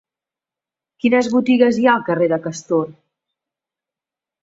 Quines botigues hi ha al carrer del Castor?